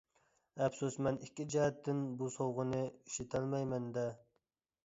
ئەپسۇس مەن ئىككى جەھەتتىن بۇ سوۋغىنى ئىشلىتەلمەيمەن دە!